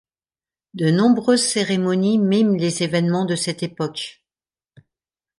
De nombreuses cérémonies miment les événements de cette époque.